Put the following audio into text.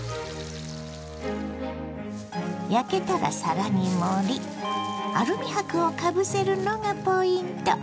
焼けたら皿に盛りアルミ箔をかぶせるのがポイント。